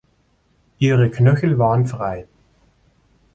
Ihre Knöchel waren frei.